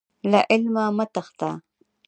له علمه مه تښته.